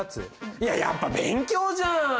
いややっぱ勉強じゃん！